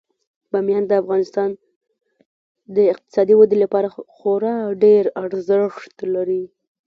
بامیان د افغانستان د اقتصادي ودې لپاره خورا ډیر ارزښت لري.